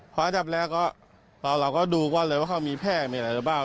พอจับแล้วก็เราเราก็ดูกว่าเลยว่าเขามีแพร่มีอะไรหรือเปล่า